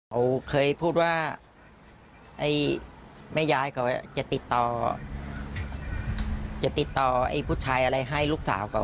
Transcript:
เขาเคยพูดว่าแม่ยายเขาจะติดต่อจะติดต่อไอ้ผู้ชายอะไรให้ลูกสาวเขา